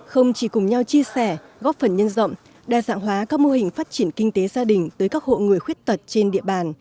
không chỉ cùng nhau chia sẻ góp phần nhân rộng đa dạng hóa các mô hình phát triển kinh tế gia đình tới các hộ người khuyết tật trên địa bàn